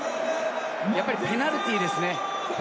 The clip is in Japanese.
やっぱりペナルティーですね。